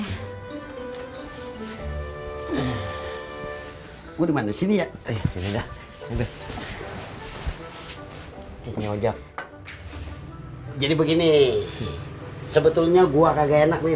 hai gue di mana sini ya ini udah ini aja jadi begini sebetulnya gua kagak enak nih